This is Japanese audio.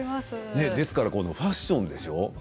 ですからファッションでしょう。